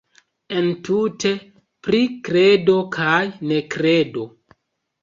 Entute pri kredo kaj nekredo.